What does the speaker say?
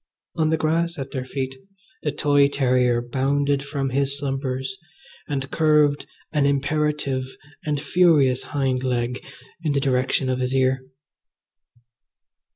On the grass at their feet the toy terrier bounded from his slumbers and curved an imperative and furious hind leg in the direction of his ear.